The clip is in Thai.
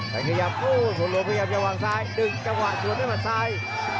แต่ขยับฝนหลวงพยายามจะวางซ้ายดึงกระหว่างส่วนให้มันซ้าย